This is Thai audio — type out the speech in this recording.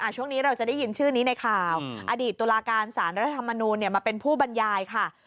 ช่วงนี้เราจะได้ยินชื่อนี้ในข่าวอดีตตุลาการสารรัฐธรรมนูลมาเป็นผู้บรรยายค่ะ